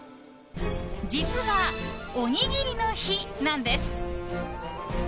実は、おにぎりの日なんです。